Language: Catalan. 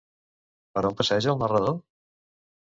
Per on passeja el narrador?